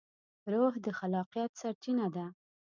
روح د خلاقیت سرچینه ده.